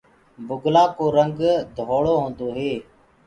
بُگلآ ڪو رنگ ڌوݪو هوندو هي۔